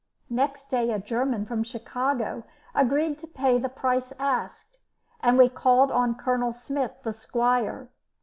Next day a German from Chicago agreed to pay the price asked, and we called on Colonel Smith, the Squire.